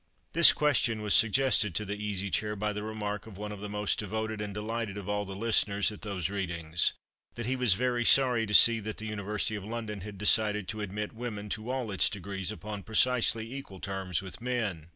This question was suggested to the Easy Chair by the remark of one of the most devoted and delighted of all the listeners at those readings, that he was very sorry to see that the University of London had decided to admit women to all its degrees upon precisely equal terms with men.